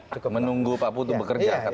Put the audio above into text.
cukup menunggu pak gubernur